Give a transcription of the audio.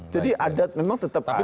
jadi memang tetap ada